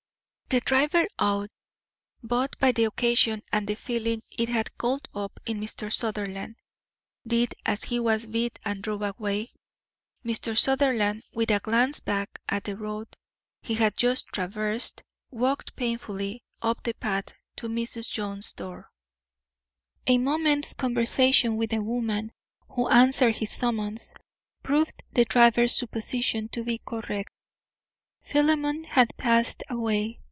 The driver, awed both by the occasion and the feeling it had called up in Mr. Sutherland, did as he was bid and drove away. Mr. Sutherland, with a glance back at the road he had just traversed, walked painfully up the path to Mrs. Jones's door. A moment's conversation with the woman who answered his summons proved the driver's supposition to be correct. Philemon had passed away.